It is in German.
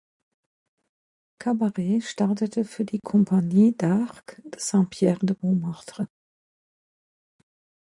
Cabaret startete für die "Compagnie d'Arc de Saint-Pierre de Montmartre".